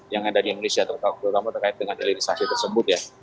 yang ada di indonesia terutama terkait dengan hilirisasi tersebut ya